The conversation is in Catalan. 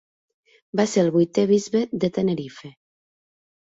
Va ser el vuitè bisbe de Tenerife.